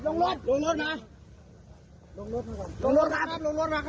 ลงรถครับลงรถ